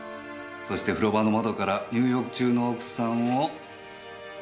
そして風呂場の窓から入浴中の奥さんを。